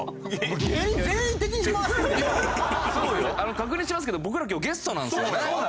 確認しますけど僕ら今日ゲストなんですよね？